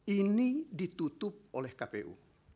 ini ditutup oleh kpu